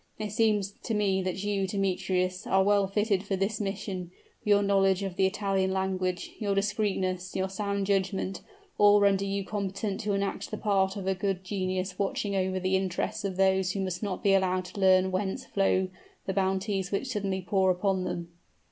It seems to me that you, Demetrius, are well fitted for this mission. Your knowledge of the Italian language, your discreetness, your sound judgment, all render you competent to enact the part of a good genius watching over the interests of those who must not be allowed to learn whence flow the bounties which suddenly pour upon them!"